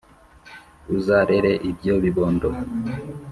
Uzarere ibyo bibondo